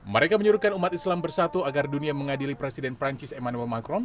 mereka menyuruhkan umat islam bersatu agar dunia mengadili presiden perancis emmanuel macron